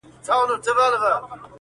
پر وجود څه ډول حالت وو اروا څه ډول وه.